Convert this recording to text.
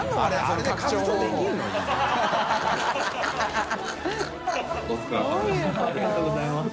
ありがとうございます。